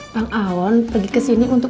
bang awon pergi kesini untuk